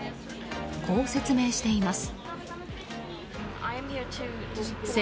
こう説明しています。